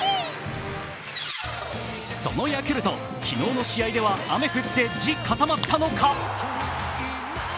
そのヤクルト、昨日の試合では雨降って地固まったのか？